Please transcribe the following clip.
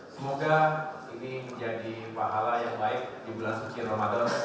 semoga ini menjadi pahala yang baik di bulan suci ramadan